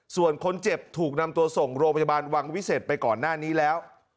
ส่วนคนเจ็บถูกนำตัวส่งโรงพยาบาลวังวิเศษไปก่อนหน้านี้แล้ว